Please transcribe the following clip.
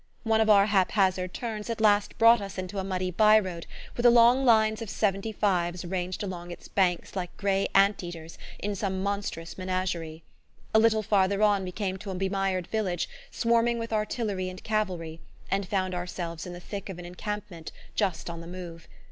One of our haphazard turns at last brought us into a muddy bye road with long lines of "Seventy fives" ranged along its banks like grey ant eaters in some monstrous menagerie. A little farther on we came to a bemired village swarming with artillery and cavalry, and found ourselves in the thick of an encampment just on the move.